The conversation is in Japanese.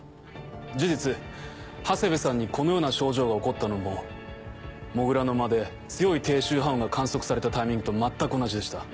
事実長谷部さんにこのような症状が起こったのも土竜の間で強い低周波音が観測されたタイミングと全く同じでした。